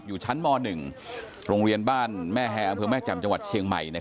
อยู่ชั้นม๑โรงเรียนบ้านแม่แฮอำเภอแม่แจ่มจังหวัดเชียงใหม่